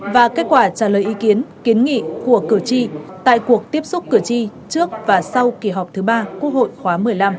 và kết quả trả lời ý kiến kiến nghị của cử tri tại cuộc tiếp xúc cử tri trước và sau kỳ họp thứ ba quốc hội khóa một mươi năm